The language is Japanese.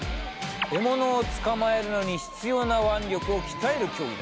獲物を捕まえるのに必要な腕力を鍛える競技だ。